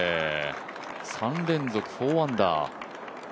３連続４アンダー。